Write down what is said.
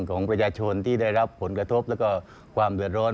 ของประชาชนที่ได้รับผลกระทบแล้วก็ความเดือดร้อน